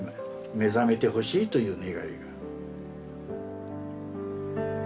目覚めてほしいという願いが。